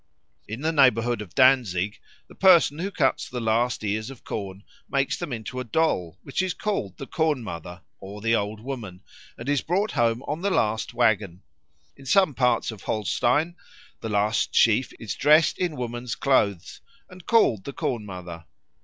In the neighbourhood of Danzig the person who cuts the last ears of corn makes them into a doll, which is called the Corn mother or the Old Woman and is brought home on the last waggon. In some parts of Holstein the last sheaf is dressed in woman's clothes and called the Corn mother.